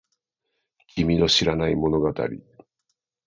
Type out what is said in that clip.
君の知らない物語